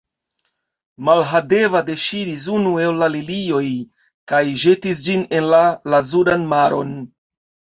Mahadeva deŝiris unu el la lilioj kaj ĵetis ĝin en la lazuran maron.